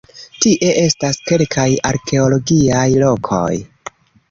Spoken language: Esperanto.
Tie estas kelkaj arkeologiaj lokoj.